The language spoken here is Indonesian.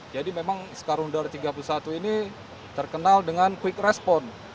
jadi memang skarundar tiga puluh satu ini terkenal dengan quick response